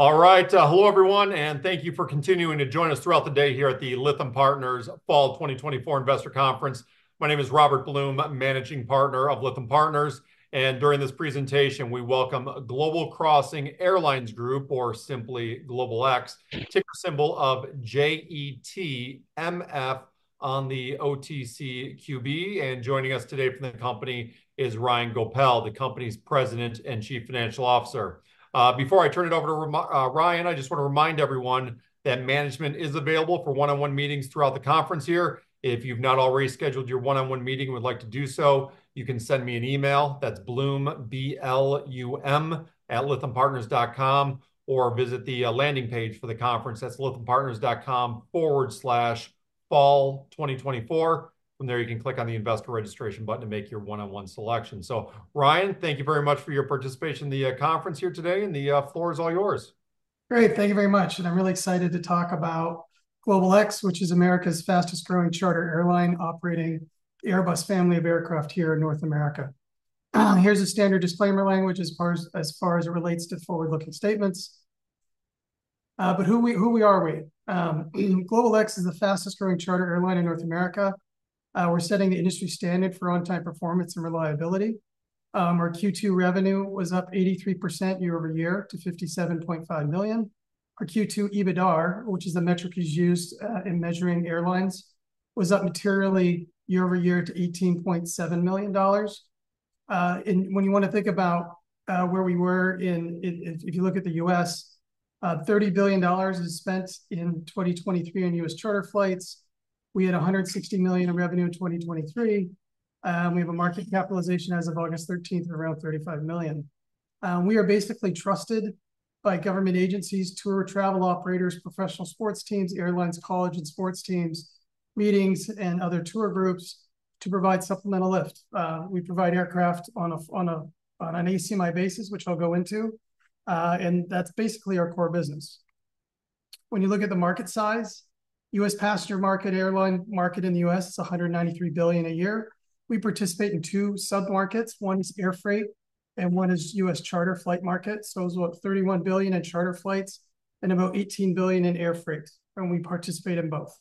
All right. Hello, everyone, and thank you for continuing to join us throughout the day here at the Lytham Partners Fall 2024 Investor Conference. My name is Robert Blum, managing partner of Lytham Partners, and during this presentation, we welcome Global Crossing Airlines Group, or simply GlobalX, ticker symbol JETMF on the OTCQB. And joining us today from the company is Ryan Goepel, the company's President and Chief Financial Officer. Before I turn it over to Ryan, I just want to remind everyone that management is available for one-on-one meetings throughout the conference here. If you've not already scheduled your one-on-one meeting and would like to do so, you can send me an email, that's Blum, B-L-U-M, @lythampartners.com, or visit the landing page for the conference. That's lythampartners.com/fall2024. From there, you can click on the Investor Registration button to make your one-on-one selection. So Ryan, thank you very much for your participation in the conference here today, and the floor is all yours. Great! Thank you very much, and I'm really excited to talk about GlobalX, which is America's fastest-growing charter airline, operating the Airbus family of aircraft here in North America. Here's a standard disclaimer language as far as it relates to forward-looking statements. But who we are. GlobalX is the fastest-growing charter airline in North America. We're setting the industry standard for on-time performance and reliability. Our Q2 revenue was up 83% year over year to $57.5 million. Our Q2 EBITDA, which is the metric that's used in measuring airlines, was up materially year over year to $18.7 million. And when you want to think about where we were in. If you look at the U.S., $30 billion was spent in 2023 on U.S. charter flights. We had $160 million in revenue in 2023, and we have a market capitalization as of August thirteenth of around $35 million. We are basically trusted by government agencies, tour travel operators, professional sports teams, airlines, college and sports teams, meetings, and other tour groups to provide supplemental lift. We provide aircraft on an ACMI basis, which I'll go into, and that's basically our core business. When you look at the market size, U.S. passenger market, airline market in the U.S. is $193 billion a year. We participate in two submarkets. One is air freight and one is U.S. charter flight market. So it's about $31 billion in charter flights and about $18 billion in air freight, and we participate in both.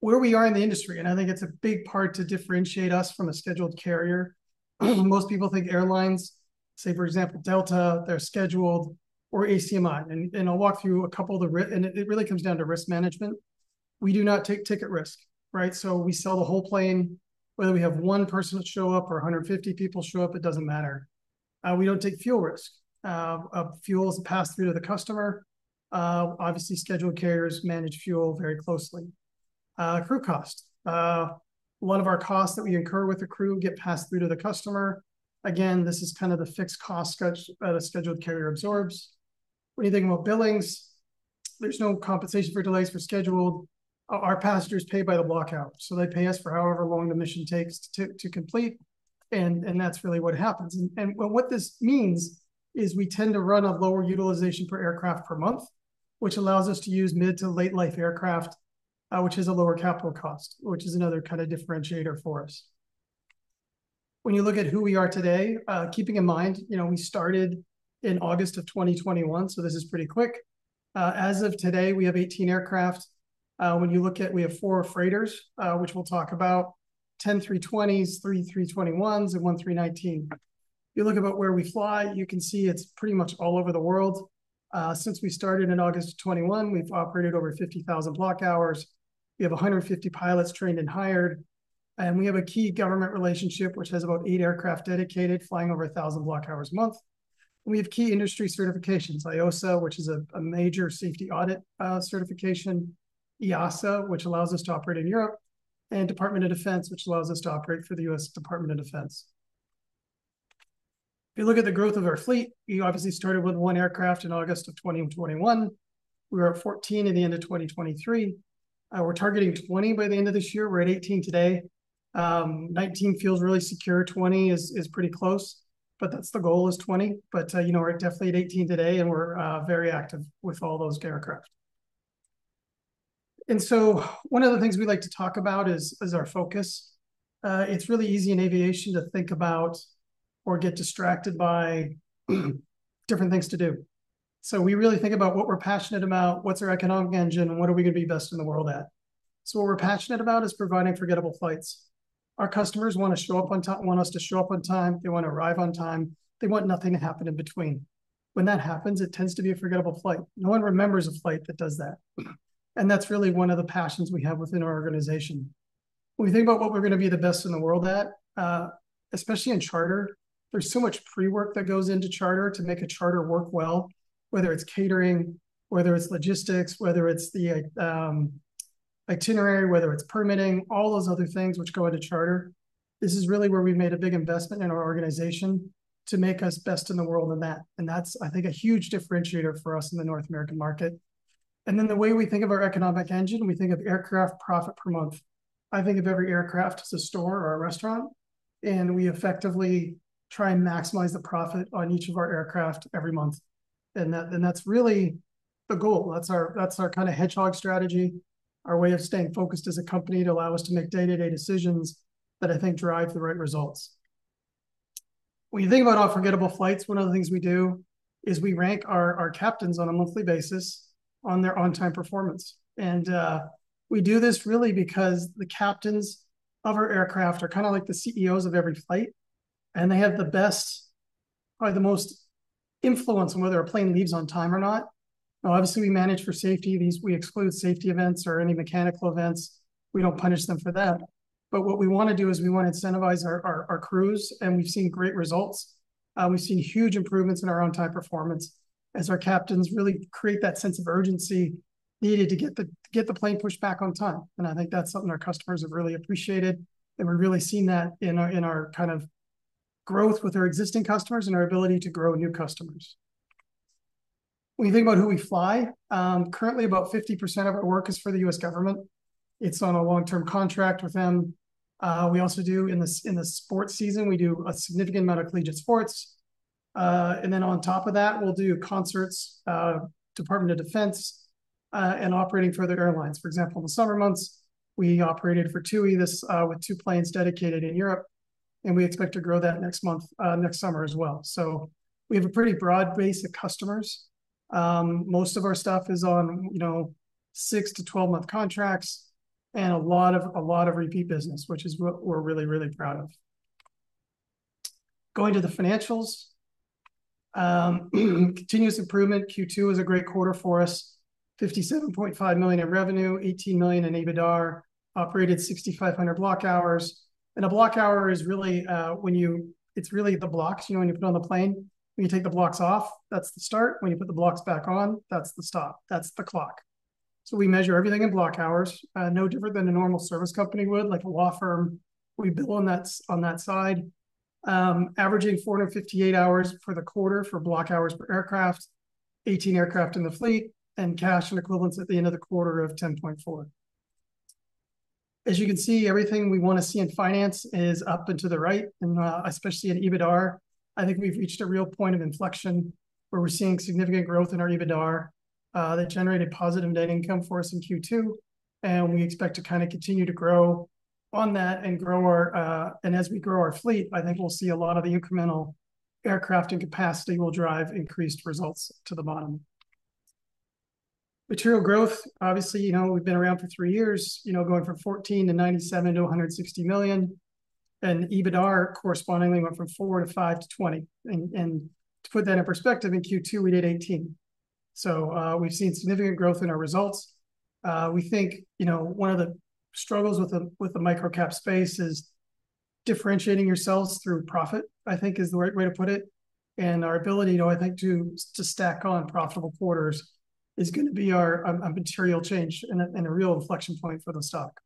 Where we are in the industry, and I think it's a big part to differentiate us from a scheduled carrier. Most people think airlines, say, for example, Delta, they're scheduled or ACMI, and I'll walk through a couple of the, and it really comes down to risk management. We do not take ticket risk, right? So we sell the whole plane, whether we have one person show up or a hundred and fifty people show up, it doesn't matter. We don't take fuel risk. Fuel is passed through to the customer. Obviously, scheduled carriers manage fuel very closely. Crew cost. A lot of our costs that we incur with the crew get passed through to the customer. Again, this is kind of the fixed cost structure that a scheduled carrier absorbs. When you think about billings, there's no compensation for delays for scheduled. Our passengers pay by the block out, so they pay us for however long the mission takes to complete, and that's really what happens. And what this means is we tend to run a lower utilization per aircraft per month, which allows us to use mid to late life aircraft, which is a lower capital cost, which is another kind of differentiator for us. When you look at who we are today, keeping in mind, you know, we started in August of 2021, so this is pretty quick. As of today, we have 18 aircraft. When you look at, we have four freighters, which we'll talk about, 10 320s, three 321s and one 319. If you look about where we fly, you can see it's pretty much all over the world. Since we started in August of 2021, we've operated over 50,000 block hours. We have 150 pilots trained and hired, and we have a key government relationship, which has about eight aircraft dedicated, flying over 1,000 block hours a month. We have key industry certifications, IOSA, which is a major safety audit certification, EASA, which allows us to operate in Europe, and Department of Defense, which allows us to operate for the U.S. Department of Defense. If you look at the growth of our fleet, we obviously started with one aircraft in August of 2021. We were at 14 at the end of 2023, we're targeting 20 by the end of this year. We're at 18 today. Nineteen feels really secure, twenty is pretty close, but that's the goal is twenty, but you know, we're definitely at eighteen today, and we're very active with all those aircraft, and so one of the things we like to talk about is our focus. It's really easy in aviation to think about or get distracted by different things to do, so we really think about what we're passionate about, what's our economic engine, and what are we gonna be best in the world at, so what we're passionate about is providing forgettable flights. Our customers want to show up on time, want us to show up on time, they want to arrive on time, they want nothing to happen in between. When that happens, it tends to be a forgettable flight. No one remembers a flight that does that, and that's really one of the passions we have within our organization. When we think about what we're gonna be the best in the world at, especially in charter, there's so much pre-work that goes into charter to make a charter work well, whether it's catering, whether it's logistics, whether it's the, itinerary, whether it's permitting, all those other things which go into charter. This is really where we've made a big investment in our organization to make us best in the world in that, and that's, I think, a huge differentiator for us in the North American market. And then the way we think of our economic engine, we think of aircraft profit per month. I think of every aircraft as a store or a restaurant, and we effectively try and maximize the profit on each of our aircraft every month. And that's really the goal. That's our, that's our kinda hedgehog strategy, our way of staying focused as a company to allow us to make day-to-day decisions that I think drive the right results. When you think about unforgettable flights, one of the things we do is we rank our, our captains on a monthly basis on their on-time performance. And we do this really because the captains of our aircraft are kinda like the CEOs of every flight, and they have the best or the most influence on whether a plane leaves on time or not. Now, obviously, we manage for safety. These, we exclude safety events or any mechanical events. We don't punish them for that. But what we wanna do is we wanna incentivize our crews, and we've seen great results. We've seen huge improvements in our on-time performance as our captains really create that sense of urgency needed to get the plane pushed back on time, and I think that's something our customers have really appreciated, and we're really seeing that in our kind of growth with our existing customers and our ability to grow new customers. When you think about who we fly, currently, about 50% of our work is for the U.S. government. It's on a long-term contract with them. We also do in the sports season we do a significant amount of collegiate sports, and then on top of that, we'll do concerts, Department of Defense, and operating for other airlines. For example, in the summer months, we operated for TUI with two planes dedicated in Europe, and we expect to grow that next summer as well. So we have a pretty broad base of customers. Most of our stuff is on, you know, 6- to 12-month contracts and a lot of repeat business, which is what we're really, really proud of. Going to the financials, continuous improvement, Q2 was a great quarter for us. $57.5 million in revenue, $18 million in EBITDA, operated 6,500 block hours, and a block hour is really. It's really the blocks. You know, when you put the blocks on the plane, when you take the blocks off, that's the start. When you put the blocks back on, that's the stop. That's the clock. So we measure everything in block hours, no different than a normal service company would, like a law firm. We bill on that, on that side. Averaging 458 hours for the quarter for block hours per aircraft, 18 aircraft in the fleet, and cash and equivalents at the end of the quarter of $10.4 million. As you can see, everything we wanna see in finance is up and to the right, and especially in EBITDA, I think we've reached a real point of inflection where we're seeing significant growth in our EBITDA that generated positive net income for us in Q2, and we expect to kinda continue to grow on that and grow our fleet. And as we grow our fleet, I think we'll see a lot of the incremental aircraft and capacity will drive increased results to the bottom. Material growth, obviously, you know, we've been around for three years, you know, going from $14 million to $97 million to $160 million, and EBITDA correspondingly went from $4 million to $5 million to $20 million. And to put that in perspective, in Q2, we did $18 million. So we've seen significant growth in our results. We think, you know, one of the struggles with the microcap space is differentiating yourselves through profit, I think is the right way to put it. And our ability, you know, I think, to stack on profitable quarters is gonna be our material change and a real inflection point for the stock.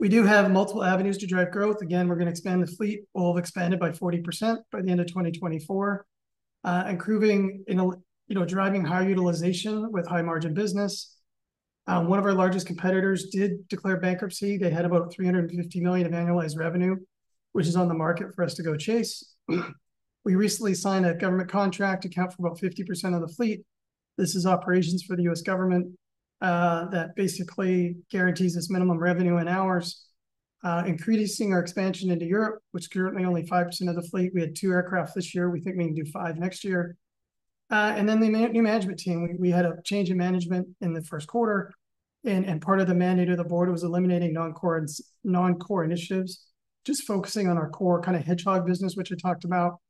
We do have multiple avenues to drive growth. Again, we're gonna expand the fleet. We'll have expanded by 40% by the end of 2024, you know, driving higher utilization with high-margin business. One of our largest competitors did declare bankruptcy. They had about $350 million of annualized revenue, which is on the market for us to go chase. We recently signed a government contract to account for about 50% of the fleet. This is operations for the U.S. government that basically guarantees us minimum revenue and hours, increasing our expansion into Europe, which is currently only 5% of the fleet. We had two aircraft this year. We think we can do five next year. And then the new management team. We had a change in management in the first quarter, and part of the mandate of the board was eliminating non-core initiatives, just focusing on our core kinda hedgehog business, which I talked about,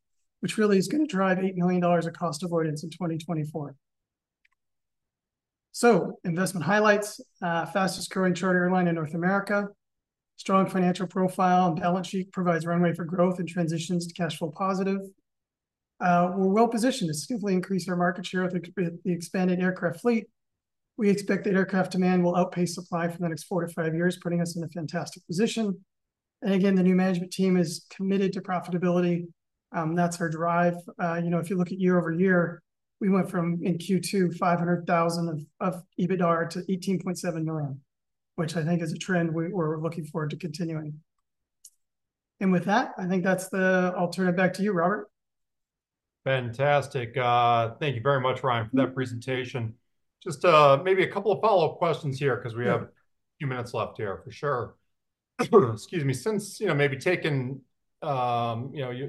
which really is gonna drive $8 million of cost avoidance in 2024. Investment highlights, fastest growing charter airline in North America, strong financial profile, and balance sheet provides runway for growth and transitions to cash flow positive. We're well-positioned to significantly increase our market share with the expanded aircraft fleet. We expect that aircraft demand will outpace supply for the next four to five years, putting us in a fantastic position. Again, the new management team is committed to profitability, that's our drive. You know, if you look at year over year, we went from, in Q2, $500,000 of EBITDA to $18.7 million, which I think is a trend we're looking forward to continuing. With that, I think that's the... I'll turn it back to you, Robert. Fantastic. Thank you very much, Ryan, for that presentation. Just maybe a couple of follow-up questions here, 'cause we have a few minutes left here, for sure. Excuse me. Since, you know, your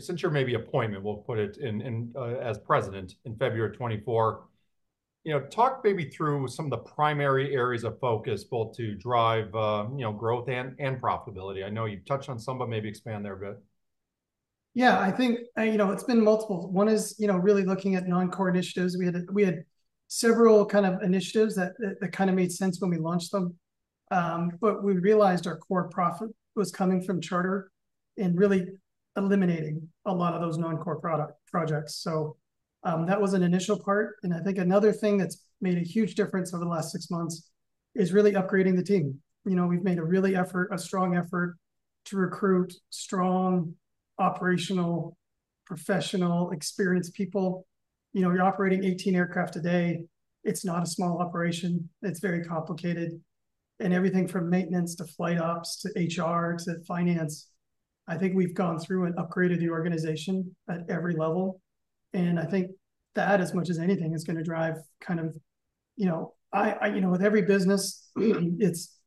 appointment as president in February of 2024, you know, talk maybe through some of the primary areas of focus, both to drive, you know, growth and profitability. I know you've touched on some, but maybe expand there a bit. Yeah, I think, you know, it's been multiple. One is, you know, really looking at non-core initiatives. We had several kind of initiatives that kinda made sense when we launched them, but we realized our core profit was coming from charter and really eliminating a lot of those non-core product, projects. So, that was an initial part, and I think another thing that's made a huge difference over the last six months is really upgrading the team. You know, we've made a really effort, a strong effort to recruit strong, operational, professional, experienced people. You know, you're operating 18 aircraft today, it's not a small operation, it's very complicated. And everything from maintenance to flight ops to HR to finance... I think we've gone through and upgraded the organization at every level, and I think that, as much as anything, is gonna drive kind of, you know... with every business, it's,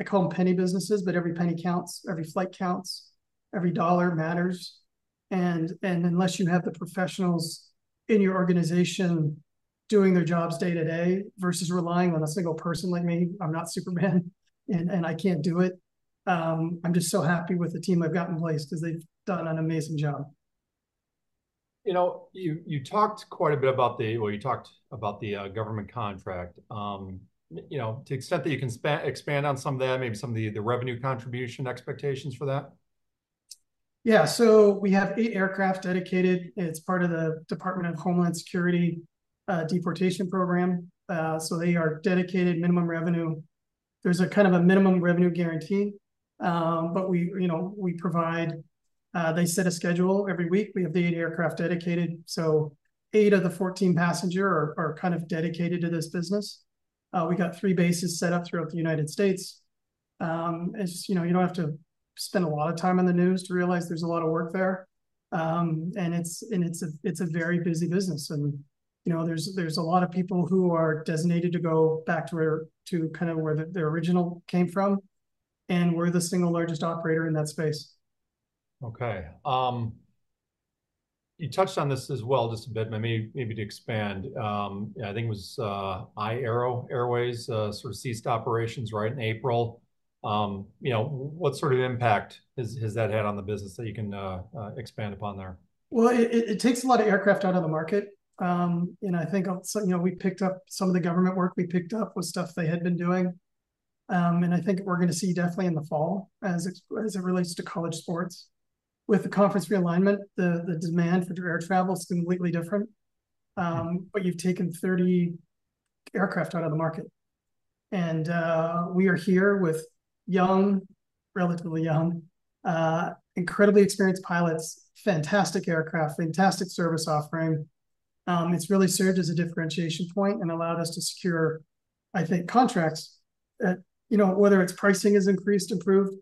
I call them penny businesses, but every penny counts, every flight counts, every dollar matters. And unless you have the professionals in your organization doing their jobs day to day versus relying on a single person like me, I'm not Superman, and I can't do it. I'm just so happy with the team I've got in place 'cause they've done an amazing job. You know, you talked quite a bit about the government contract. You know, to the extent that you can expand on some of that, maybe some of the revenue contribution expectations for that? Yeah, so we have eight aircraft dedicated. It's part of the Department of Homeland Security deportation program, so they are dedicated minimum revenue. There's a kind of a minimum revenue guarantee, but we, you know, we provide. They set a schedule every week. We have the eight aircraft dedicated, so eight of the 14 passenger are kind of dedicated to this business. We got 3 bases set up throughout the United States. As you know, you don't have to spend a lot of time on the news to realize there's a lot of work there, and it's a very busy business, and, you know, there's a lot of people who are designated to go back to where they original came from, and we're the single largest operator in that space. Okay. You touched on this as well just a bit, but maybe to expand. Yeah, I think it was iAero Airways sort of ceased operations right in April. You know, what sort of impact has that had on the business that you can expand upon there? It takes a lot of aircraft out of the market. And I think also, you know, we picked up some of the government work was stuff they had been doing. And I think we're gonna see definitely in the fall, as it relates to college sports, with the conference realignment, the demand for air travel is completely different. Yeah. But you've taken thirty aircraft out of the market, and we are here with young, relatively young, incredibly experienced pilots, fantastic aircraft, fantastic service offering. It's really served as a differentiation point and allowed us to secure, I think, contracts that, you know, whether it's pricing has increased, improved,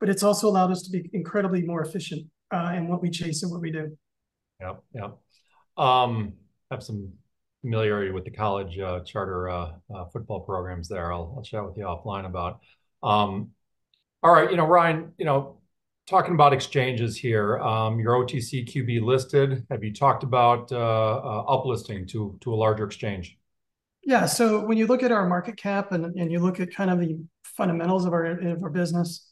but it's also allowed us to be incredibly more efficient in what we chase and what we do. Yep. Yep. I have some familiarity with the college charter football programs there. I'll chat with you offline about. All right, you know, Ryan, you know, talking about exchanges here, you're OTCQB listed. Have you talked about uplisting to a larger exchange? Yeah. So when you look at our market cap and you look at kind of the fundamentals of our business,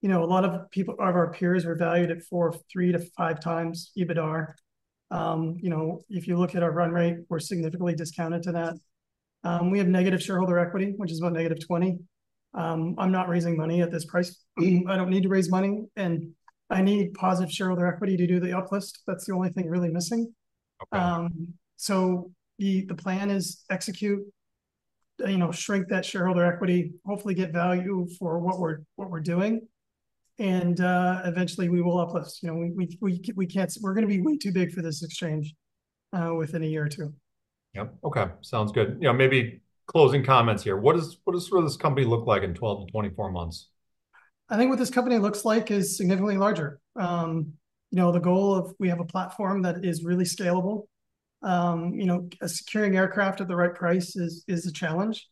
you know, a lot of people of our peers are valued at three to five times EBITDA. You know, if you look at our run rate, we're significantly discounted to that. We have negative shareholder equity, which is about negative twenty. I'm not raising money at this price. I don't need to raise money, and I need positive shareholder equity to do the uplist. That's the only thing really missing. Okay. So the plan is execute, you know, shrink that shareholder equity, hopefully get value for what we're doing, and eventually we will uplist. You know, we can't... We're gonna be way too big for this exchange, within a year or two. Yep. Okay. Sounds good. You know, maybe closing comments here. What does, what does sort of this company look like in 12-24 months? I think what this company looks like is significantly larger. You know, the goal of we have a platform that is really scalable. You know, securing aircraft at the right price is a challenge,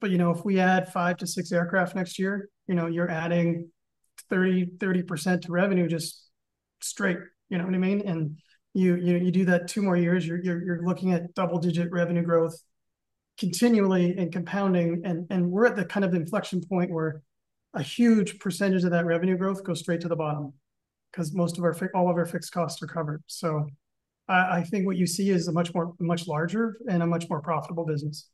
but you know, if we add five to six aircraft next year, you know, you're adding 30% to revenue, just straight, you know what I mean, and you do that two more years, you're looking at double-digit revenue growth continually and compounding, and we're at the kind of inflection point where a huge percentage of that revenue growth goes straight to the bottom, 'cause all of our fixed costs are covered, so I think what you see is a much more, much larger and a much more profitable business.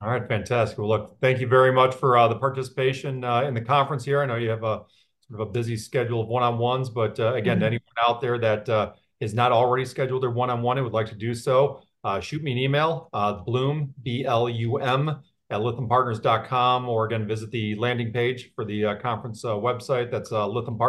All right, fantastic. Well, look, thank you very much for the participation in the conference here. I know you have a sort of a busy schedule of one-on-ones, but, Mm-hmm... again, anyone out there that has not already scheduled their one-on-one and would like to do so, shoot me an email, Blum, B-L-U-M @lythampartners.com, or, again, visit the landing page for the conference website. That's Lytham Partners-